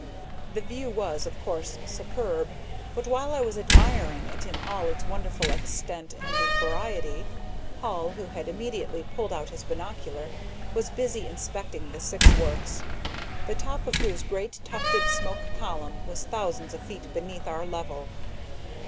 The view was, of course, superb, but while I was admiring it in all its wonderful extent and variety, Hall, who had immediately pulled out his binocular, was busy inspecting the Syx works, the top of whose great tufted smoke column was thousands of feet beneath our level.